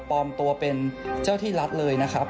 ปลอมตัวเป็นเจ้าที่รัฐเลยนะครับ